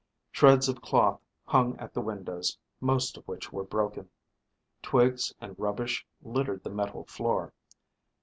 Shreds of cloth hung at the windows, most of which were broken. Twigs and rubbish littered the metal floor.